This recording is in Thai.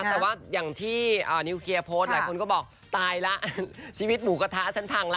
แต่ว่าอย่างที่นิวเคลียร์โพสต์หลายคนก็บอกตายแล้วชีวิตหมูกระทะฉันพังละ